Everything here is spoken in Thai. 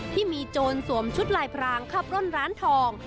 ที่มีโจรสวมชุดลายพรางขับร่นร้านทอง